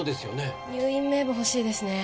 入院名簿欲しいですね